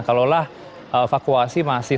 kalau lah evakuasi masih